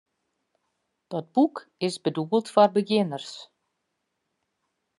Dat boek is bedoeld foar begjinners.